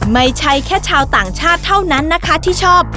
ไม่ใช่แค่ชาวต่างชาติเท่านั้นนะคะที่ชอบ